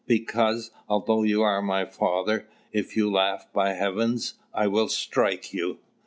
"Because, although you are my father, if you laugh, by heavens, I will strike you!"